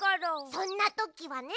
そんなときはね。